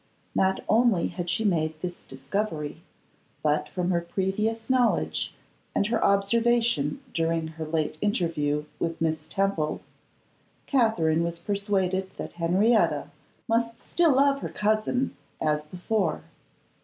Not only had she made this discovery, but from her previous knowledge and her observation during her late interview with Miss Temple, Katherine was persuaded that Henrietta must still love her cousin as before.